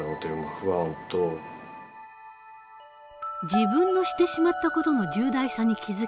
自分のしてしまった事の重大さに気付き